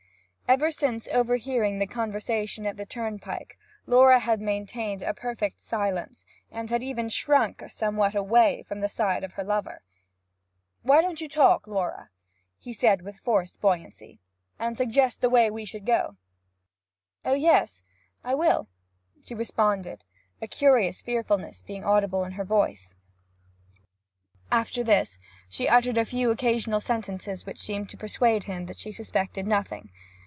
Ever since overhearing the conversation at the turnpike, Laura had maintained a perfect silence, and had even shrunk somewhat away from the side of her lover. 'Why don't you talk, Laura,' he said with forced buoyancy, 'and suggest the way we should go?' 'Oh yes, I will,' she responded, a curious fearfulness being audible in her voice. After this she uttered a few occasional sentences which seemed to persuade him that she suspected nothing.